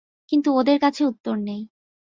কিন্তু ওদের কাছে উত্তর নেই।